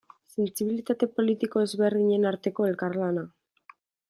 Sentsibilitate politiko ezberdinen arteko elkarlana.